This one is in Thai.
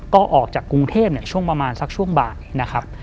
ก็ออกจากกรุงเทพช่วงประมาณสักช่วงบ่ายนะครับ